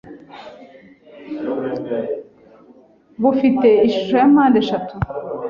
”,bufite ishusho ya mpande eshatu